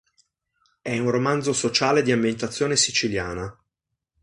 È un romanzo sociale di ambientazione siciliana.